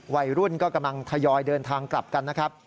วัยรุ่นก็กำลังทยอยเดินทางกลับกันนะครับ